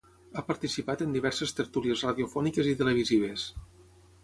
Ha participat en diverses tertúlies radiofòniques i televisives.